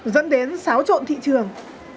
dẫn đến xáo trộn thị trường